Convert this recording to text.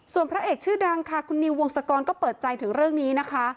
ส่วนพระเอกชื่อดังค่ะคุณนิววงศกรก็เปิดใจถึงเรื่องนี้นะคะ